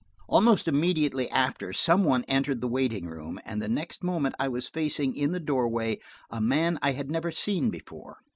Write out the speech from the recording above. Almost immediately after, some one entered the waiting room, and the next moment I was facing, in the doorway, a man I had never seen before.